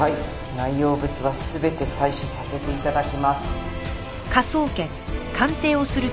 内容物は全て採取させて頂きます。